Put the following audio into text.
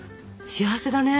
幸せだね。